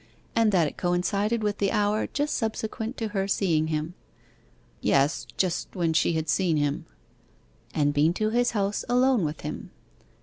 'And that it coincided with the hour just subsequent to her seeing him.' 'Yes, just when she had seen him.' 'And been to his house alone with him.